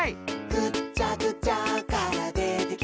「ぐっちゃぐちゃからでてきたえ」